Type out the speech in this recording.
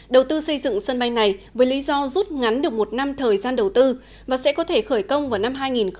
đầu tư xây dựng sân bay này với lý do rút ngắn được một năm thời gian đầu tư và sẽ có thể khởi công vào năm hai nghìn hai mươi